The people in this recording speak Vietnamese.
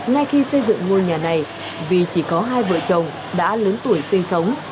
ngay khi xây dựng ngôi nhà này vì chỉ có hai vợ chồng đã lớn tuổi sinh sống